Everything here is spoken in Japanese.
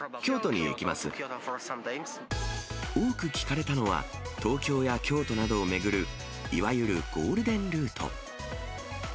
多く聞かれたのは、東京や京都などを巡る、いわゆるゴールデンルート。